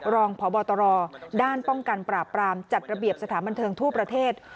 รองพบตรด้านป้องกันปราบปรามจัดระเบียบสถานบันเทิงทั่วประเทศ